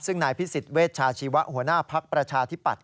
ซึ่งนายพิสิทธิเวชชาชีวะหัวหน้าภักดิ์ประชาธิปัตย